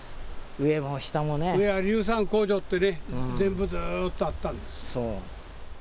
上は硫酸工場ってね、全部ずっとあったんです。